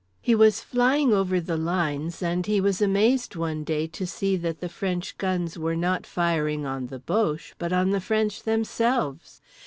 He was flying over the lines, and he was amazed, one day, to see that the French guns were not firing on the boches but on the French themselves.